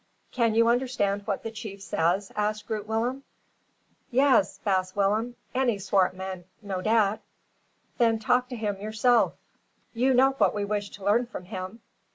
"Can you understand what the chief says?" asked Groot Willem. "Yaas, baas Willem; any Swartman know dat." "Then talk to him yourself. You know what we wish to learn from him."